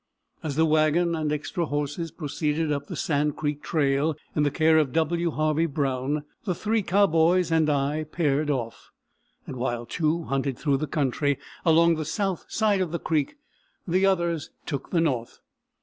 As the wagon and extra horses proceeded up the Sand Creek trail in the care of W. Harvey Brown, the three cowboys and I paired off, and while two hunted through the country along the south side of the creek, the others took the north.